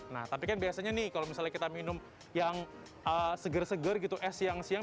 nah tapi kan biasanya nih kalau misalnya kita minum yang seger seger gitu es siang siang